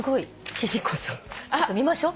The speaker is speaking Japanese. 貴理子さんちょっと見ましょう。